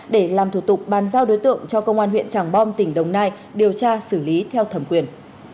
để làm thủ tục bàn giao đối tượng cho công an huyện tràng bom tỉnh đồng nai điều tra xử lý theo thẩm quyền